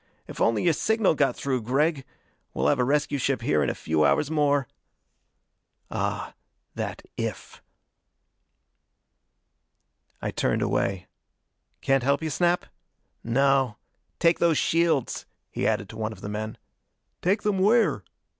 If only your signal got through, Gregg! We'll have a rescue ship here in a few hours more." Ah, that "if!" I turned away. "Can't help you, Snap?" "No. Take those shields," he added to one of the men. "Take them where?"